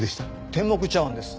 天目茶碗です。